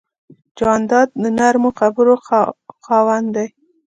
جانداد د نرمو خبرو خاوند دی.